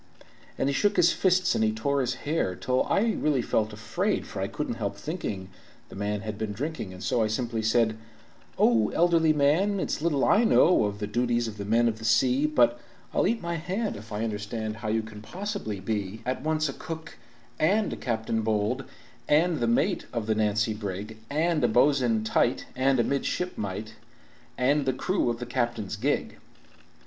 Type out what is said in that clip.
And he shook his fists and he tore his hair, Till I really felt afraid, For I couldn't help thinking the man had been drinking, And so I simply said: "O, elderly man, it's little I know Of the duties of men of the sea, But I'll eat my hand if I understand How you can possibly be "At once a cook, and a captain bold, And the mate of the Nancy brig, And a bo'sun tight, and a midshipmite, And the crew of the captain's gig."